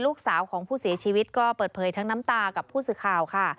ลูกสาวของผู้เสียชีวิตก็เปิดเผยทั้งน้ำตากับผู้สื่อข่าวค่ะ